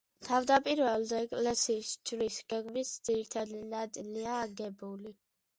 თავდაპირველად ეკლესიის ჯვრის გეგმის ძირითადი ნაწილია აგებული.